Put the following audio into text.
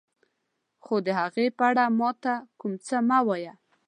خو د هغوی په اړه ما ته کوم څه مه وایه.